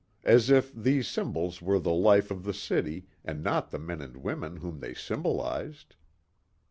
As if these symbols were the life of the city and not the men and women whom they symbolized.